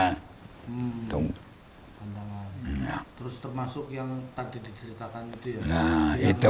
terus termasuk yang tadi diceritakan itu ya